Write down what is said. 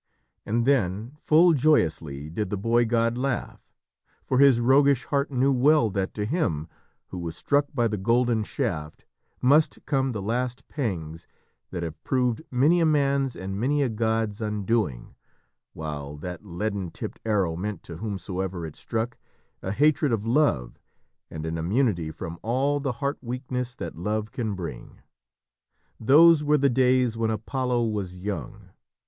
And then, full joyously did the boy god laugh, for his roguish heart knew well that to him who was struck by the golden shaft must come the last pangs that have proved many a man's and many a god's undoing, while that leaden tipped arrow meant to whomsoever it struck, a hatred of Love and an immunity from all the heart weakness that Love can bring. Those were the days when Apollo was young.